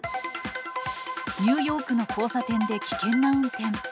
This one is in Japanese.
ニューヨークの交差点で危険な運転。